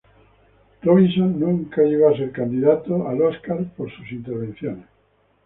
Robinson nunca llegó a ser candidato al Oscar por sus intervenciones.